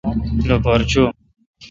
لوپار چوں